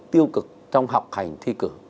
tiêu cực trong học hành thi cử